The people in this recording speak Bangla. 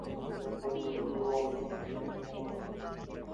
মোবাইল ফোন হাতে থাকা মানেই জগতের সবকিছুর সঙ্গে যোগাযোগ বজায় রাখা।